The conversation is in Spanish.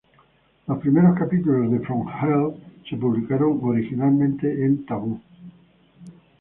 Los primeros capítulos de "From Hell" se publicaron originalmente en "Taboo".